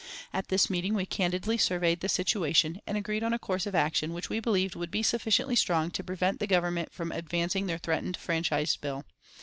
At this meeting we candidly surveyed the situation and agreed on a course of action which we believed would be sufficiently strong to prevent the Government from advancing their threatened franchise bill.